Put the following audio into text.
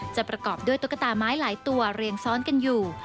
ประกอบด้วยตุ๊กตาไม้หลายตัวเรียงซ้อนกันอยู่